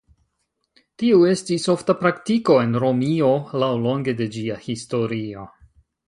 Tiu estis ofta praktiko en Romio laŭlonge de ĝia historio.